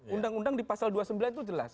undang undang di pasal dua puluh sembilan itu jelas